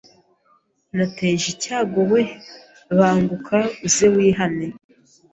nateje icyago weee banguka uze wihane